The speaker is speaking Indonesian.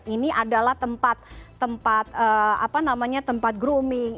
ini adalah tempat tempat apa namanya tempat grooming